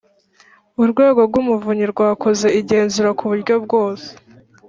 Urwego rw Umuvunyi rwakoze igenzura ku buryo bwose